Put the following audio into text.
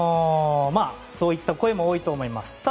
そういった声も多いと思います。